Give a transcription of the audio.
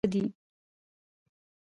د سبزیجاتو سلاد ډیر سپک خواړه دي.